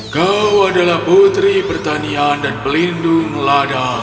kau adalah putri pertanian dan pelindung lada